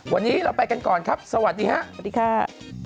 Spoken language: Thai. วันนี้เราไปกันก่อนครับสวัสดีค่ะ